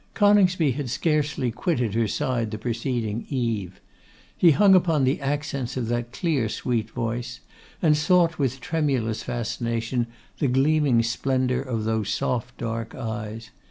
Coningsby had scarcely quitted her side the preceding eve. He hung upon the accents of that clear sweet voice, and sought, with tremulous fascination, the gleaming splendour of those soft dark eyes.